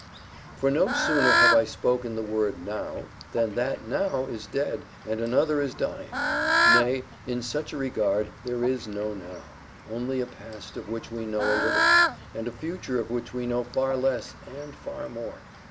For no sooner have I spoken the word NOW, than that NOW is dead and another is dying; nay, in such a regard, there is no NOW—only a past of which we know a little, and a future of which we know far less and far more.